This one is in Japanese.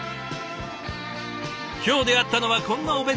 今日出会ったのはこんなお弁当たち。